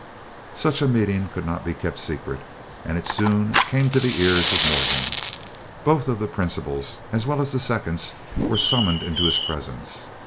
Such a meeting could not be kept secret, and it soon came to the ears of Morgan. Both of the principals, as well as the seconds were summoned into his presence.